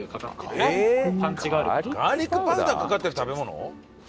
ガーリックパウダーかかってる食べ物？